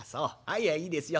いやいいですよ。